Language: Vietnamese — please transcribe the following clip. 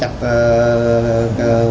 và đưa về đây ngay